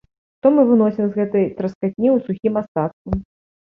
Што мы выносім з гэтай траскатні ў сухім астатку?